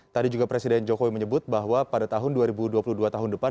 tadi juga presiden jokowi menyebut bahwa pada tahun dua ribu dua puluh dua tahun depan